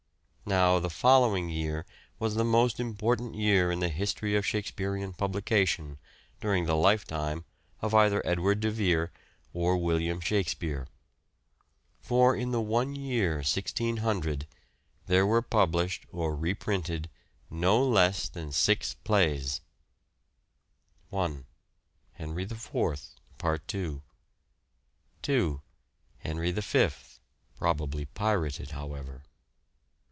Now, the following year was the most important year in the history of Shakespearean publication during the lifetime of either Edward de Vere or William Shakspere. For in the one year 1600 there were published or reprinted no less than six plays. 1. Henry IV, part 2. 2. Henry V (probably pirated, however).